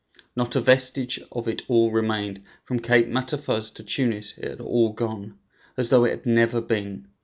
Not a vestige of it all remained; from Cape Matafuz to Tunis it had all gone, as though it had never been.